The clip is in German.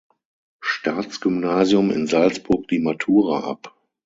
Staatsgymnasium in Salzburg die Matura ab.